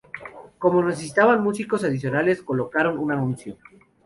Como necesitaban músicos adicionales, colocaron un anuncio.